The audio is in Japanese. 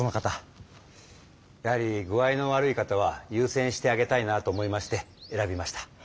やはり具合の悪い方はゆうせんしてあげたいなと思いまして選びました。